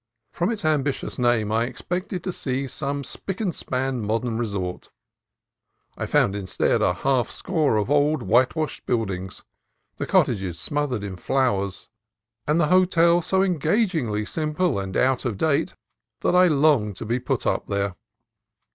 From its ambitious name I expected to see some spick and span modern resort. I found instead a half score of old whitewashed buildings, the cottages smothered in flowers, and the hotel so engagingly simple and out of date that I longed to put up there.